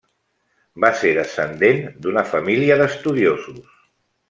Va ser descendent d'una família d'estudiosos.